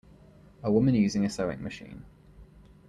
A woman using a sewing machine.